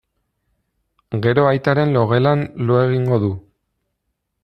Gero aitaren logelan lo egingo du.